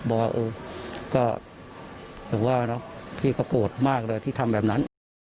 บอกว่าพี่ก็โกรธมากเลยที่ทำแบบนั้น